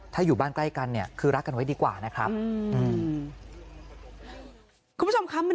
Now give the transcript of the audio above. ถ้าอยู่บ้านใกล้กันเนี่ยคือรักกันไว้ดีกว่านะครับอืม